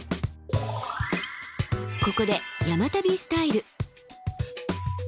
ここで山旅スタイル。